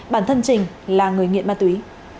bản thân trình là người nghiện ma túy